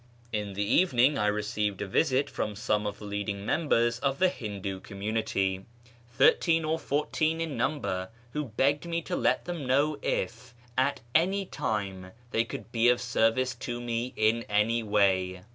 In the evening I received a visit from some of the leading members of the Hindoo community, thirteen or fourteen in number, who begged me to let them know if, at any time, they could be of service to me in any way.